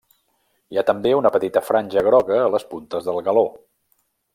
Hi ha també una petita franja groga a les puntes del galó.